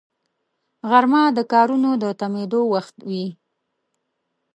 غرمه د کارونو د تمېدو وخت وي